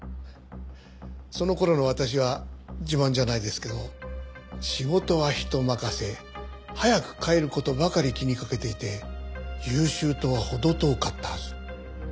その頃の私は自慢じゃないですけど仕事は人任せ早く帰る事ばかり気にかけていて優秀とは程遠かったはず。